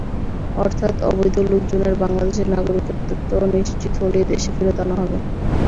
অর্থাৎ, অবৈধ লোকজনের বাংলাদেশের নাগরিকত্ব নিশ্চিত হলেই দেশে ফেরত আনা হবে।